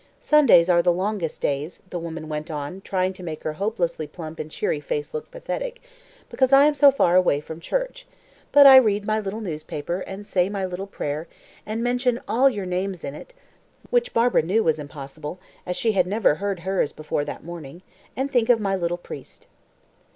"Sundays are the longest days," the woman went on, trying to make her hopelessly plump and cheery face look pathetic, "because I am so far away from church. But I read my little newspaper, and say my little prayer and mention all your names in it" (which Barbara knew was impossible, as she had never heard hers before that morning) "and think of my little priest."